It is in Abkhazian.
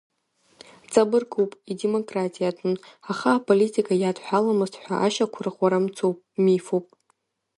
Ҵабыргуп, идемократиатәын, аха аполитика иадҳәаламызт ҳәа ашьақәырӷәӷәара мцуп, мифуп.